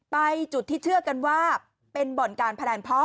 จุดที่เชื่อกันว่าเป็นบ่อนการพนันพ่อ